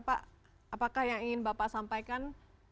pak apakah yang ingin bapak sampaikan